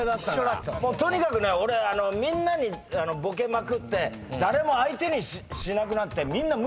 とにかくね俺みんなにボケまくって誰も相手にしなくなって。